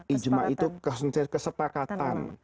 ijma itu kesepakatan